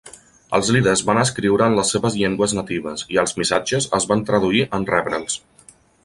Els líders van escriure en les seves llengües natives, i els missatges es van traduir en rebre'ls.